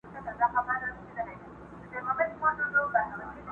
چي پر خوله به یې راتله هغه کېدله!.